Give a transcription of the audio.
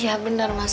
iya bener mas